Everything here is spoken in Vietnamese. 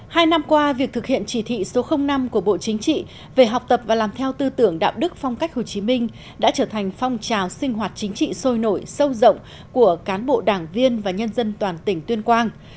hai năm qua việc thực hiện chỉ thị số năm của bộ chính trị về học tập và làm theo tư tưởng đạo đức phong cách hồ chí minh đã trở thành phong trào sinh hoạt chính trị sôi nổi sâu rộng của cán bộ đảng viên và nhân dân toàn tỉnh tuyên quang